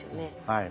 はい。